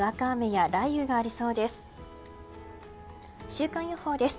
週間予報です。